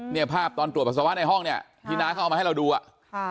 เนี่ยภาพตอนตรวจปัสสาวะในห้องเนี่ยที่น้าเขาเอามาให้เราดูอ่ะค่ะ